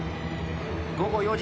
午後４時。